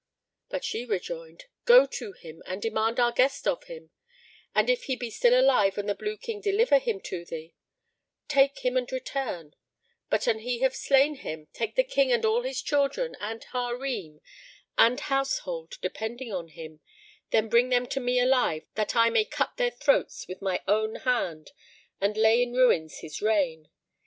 But she rejoined, "Go to him and demand our guest of him, and if he be still alive and the Blue King deliver him to thee, take him and return; but an he have slain him, take the King and all his children and Harim and household depending on him; then bring them to me alive that I may cut their throats with my own hand and lay in ruins his reign.